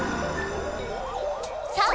さあ！